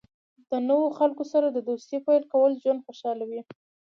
د نوو خلکو سره د دوستۍ پیل کول ژوند خوشحالوي.